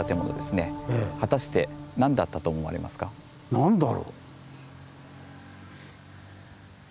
何だろう？